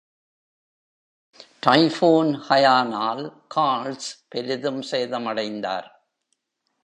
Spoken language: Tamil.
டைபூன் ஹயானால் கார்ல்ஸ் பெரிதும் சேதமடைந்தார்.